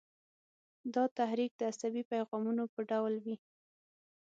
دا تحریک د عصبي پیغامونو په ډول وي.